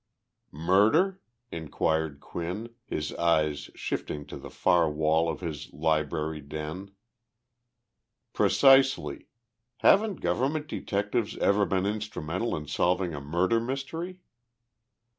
"Murder?" inquired Quinn, his eyes shifting to the far wall of his library den. "Precisely. Haven't government detectives ever been instrumental in solving a murder mystery?"